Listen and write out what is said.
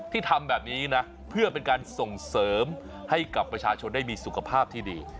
ทำแบบนี้นะเพื่อเป็นการส่งเสริมให้กับประชาชนได้มีสุขภาพที่ดี